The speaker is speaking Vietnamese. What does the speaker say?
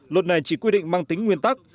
luật này chỉ quy định mang tính nguyên tắc